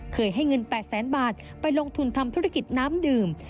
เคยให้เงิน๘แสนบาทไปลงทุนทำธุรกิจน้ำดื่ม